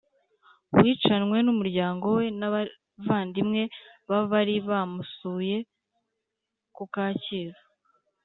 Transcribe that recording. wicanwe n'umuryango we n'abavandimwe ba bari bamusuye ku kacyiru